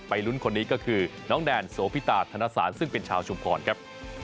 ลุ้นคนนี้ก็คือน้องแนนโสพิตาธนสารซึ่งเป็นชาวชุมพรครับ